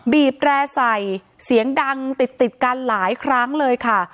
บีบแร่ใส่เสียงดังติดติดกันหลายครั้งเลยค่ะ